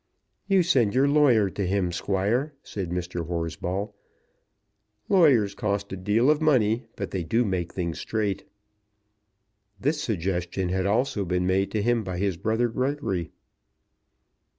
"You send your lawyer to him, Squire," said Mr. Horsball. "Lawyers cost a deal of money, but they do make things straight." This suggestion had also been made to him by his brother Gregory.